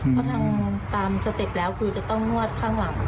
เพราะทำตามสเต็ปแล้วคือจะต้องนวดข้างหลัง